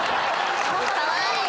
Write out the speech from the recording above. かわいい。